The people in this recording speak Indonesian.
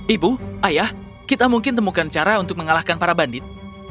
ibu ayah kita mungkin temukan cara untuk mengalahkan para bandit